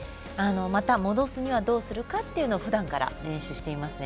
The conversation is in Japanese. また戻すにはどうするかというのをふだんから練習していますね。